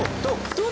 どう？